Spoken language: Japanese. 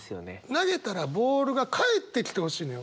投げたらボールが返ってきてほしいのよ。